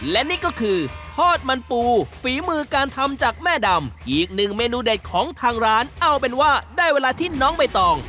และนี่ก็คือทอดมันปูฝีมือการทำจากแม่ดำอีกหนึ่งเมนูเด็ดของทางร้านเอาเป็นว่าได้เวลาที่น้องใบตอง